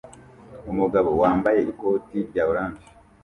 Umugabo wambaye ikoti rya orange